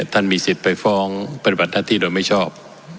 ท่านมีสิทธิ์ไปฟ้องปฏิบัติหน้าที่โดยไม่ชอบ